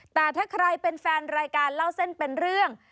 แต่ถ้าใครเป็นแฟนรายการเล่าเส้นเป็นเรื่อง